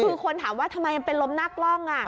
คือคนถามว่าทำไมมันเป็นลมหน้ากล้อง